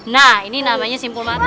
nah ini namanya simpul mata